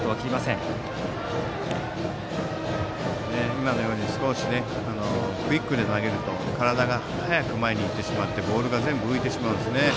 今のように少しクイックで投げると体が早く前に行ってしまってボールが全部浮いてしまうんですね。